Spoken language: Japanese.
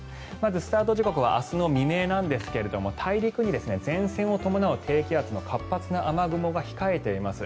スタート時刻は明日の未明なんですが大陸に、前線を伴う低気圧の活発な雨雲が控えています。